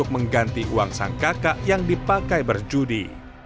mengganti uang sang kakak yang dipakai berjudi